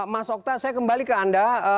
mas okta saya kembali ke anda